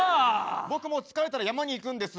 僕も疲れたら山に行くんです。